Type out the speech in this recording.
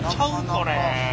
これ。